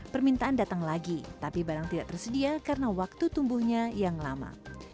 permintaan datang lagi tapi barang tidak tersedia karena waktu tumbuhnya yang lama